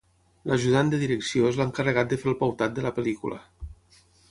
L'ajudant de direcció és l'encarregat de fer el pautat de la pel·lícula.